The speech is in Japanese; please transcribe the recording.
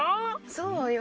そうよ。